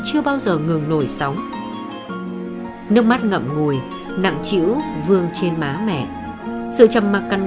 cuối cùng dương cũng thuyết phục được mẹ trở về nhà